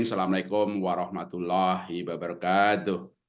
assalamu alaikum warahmatullahi wabarakatuh